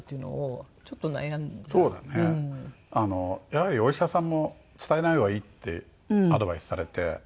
やはりお医者さんも伝えない方がいいってアドバイスされて。